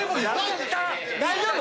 大丈夫？